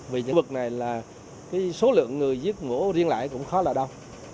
vì những vực này là cái số lượng người giết mổ riêng lại cũng khó là đông